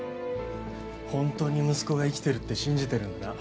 ホントに息子が生きてるって信じてるんだな。